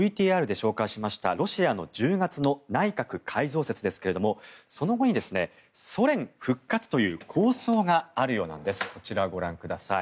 ＶＴＲで紹介しましたロシアの１０月の内閣改造説ですけれどもその後にソ連復活という構想があるようなんです。